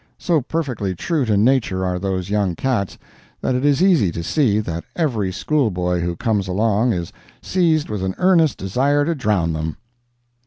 So perfectly true to nature are those young cats, that it is easy to see that every school boy who comes along is seized with an earnest desire to drown them.